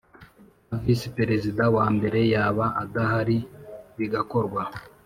na Visi Perezida wa mbere yaba adahari bigakorwa